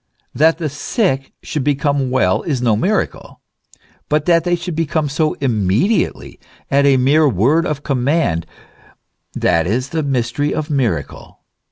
That the sick should become well is no miracle ; but that they should become so immediately, at a mere word of command, that is the mystery of miracle.